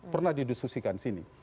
pernah didiskusikan sini